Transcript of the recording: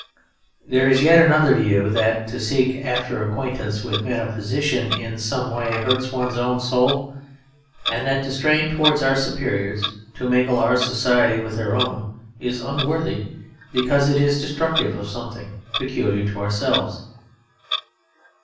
There is yet another view that to seek after acquaintance with men of position in some way hurts one's own soul, and that to strain towards our superiors, to mingle our society with their own, is unworthy, because it is destructive of something peculiar to ourselves.